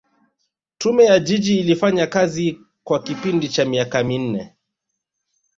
Tume ya Jiji ilifanya kazi kwa kipindi cha miaka minne